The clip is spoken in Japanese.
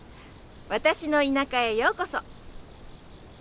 私の田舎へようこそ！